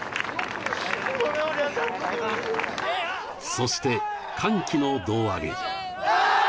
そして歓喜の胴上げ。